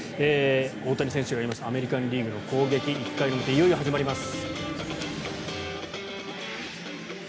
大谷選手がいますアメリカン・リーグの攻撃１回の表、いよいよ始まります。